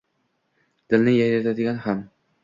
dilni yayratadigan ham